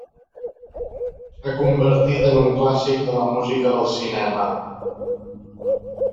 S'ha convertit en un clàssic de la música del cinema.